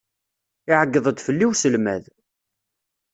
Iεeyyeḍ-d fell-i uselmad.